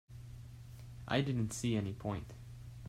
I didn't see any point.